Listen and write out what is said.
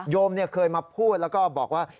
โยมเนี่ยเคยมาพูดแล้วก็บอกว่า